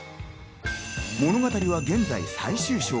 物語は現在、最終章。